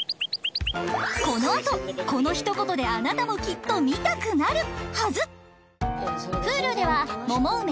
このひと言であなたもきっと見たくなるはず